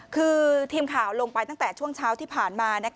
คือทีมข่าวลงไปตั้งแต่ช่วงเช้าที่ผ่านมา